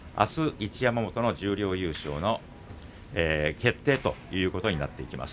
一山本の十両優勝の決定ということになってきます。